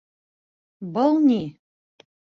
Был ни!